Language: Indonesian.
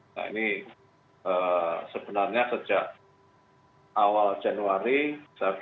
nah ini sebenarnya sejak awal januari saya